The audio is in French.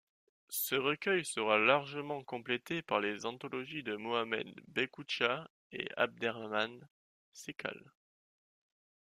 Ce recueil sera largement complété par les anthologies de Mohamed Bekhoucha et Abderrahmane Sekkal.